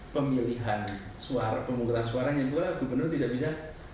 pemilihan suara pemukulan suaranya juga gubernur tidak bisa